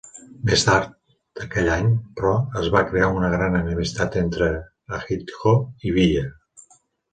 Més tard aquell any, però, es va crear una gran enemistat entre Ahidjo i Biya.